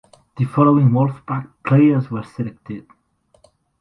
The following Wolfpack players were selected.